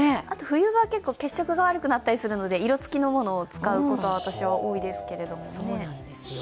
あと冬場は結構、血色が悪くなったりするので色付きのものを使うことが、私は多いですけれども。